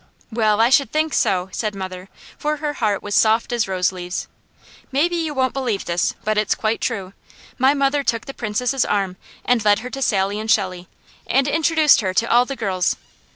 "Well, I should think so!" said mother, for her heart was soft as rose leaves. Maybe you won't believe this, but it's quite true. My mother took the Princess' arm and led her to Sally and Shelley, and introduced her to all the girls.